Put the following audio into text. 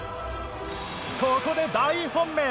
ここで大本命。